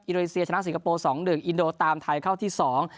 โดนีเซียชนะสิงคโปร์สองหนึ่งอินโดตามไทยเข้าที่สอง